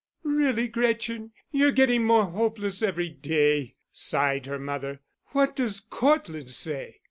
"Really, Gretchen, you're getting more hopeless every day," sighed her mother. "What does Cortland say?"